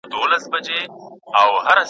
دا هورمون د ماغزو په حجره کې رامنځته کېږي.